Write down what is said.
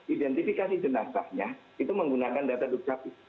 identifikasi jenazahnya itu menggunakan data dukcapil